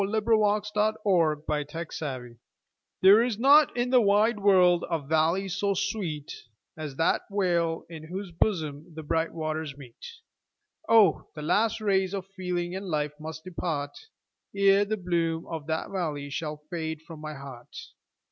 The Meeting of the Waters THERE is not in the wide world a valley so sweet As that vale in whose bosom the bright waters meet; Oh! the last rays of feeling and life must depart, Ere the bloom of that valley shall fade from my heart.